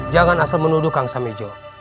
jangan asal menuduh kang samejo